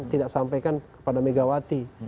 tidak sampaikan kepada megawati